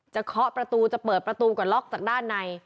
เคาะประตูจะเปิดประตูก็ล็อกจากด้านใน